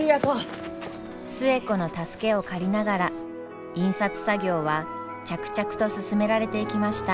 寿恵子の助けを借りながら印刷作業は着々と進められていきました。